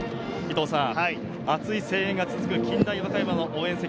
熱い声援が続く近大和歌山の応援席。